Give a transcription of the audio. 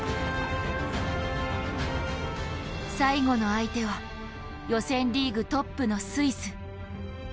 最後の相手は予選リーグトップのスイス。